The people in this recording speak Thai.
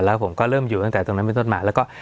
แล้วผมก็เริ่มอยู่ตั้งแต่ตรงนั้นเป็นต้นมาแล้วก็